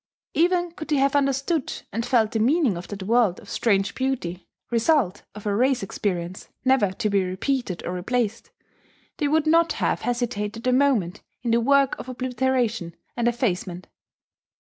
Even could they have understood and felt the meaning of that world of strange beauty, result of a race experience never to be repeated or replaced, they would not have hesitated a moment in the work of obliteration and effacement.